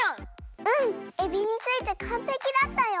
うんエビについてかんぺきだったよ！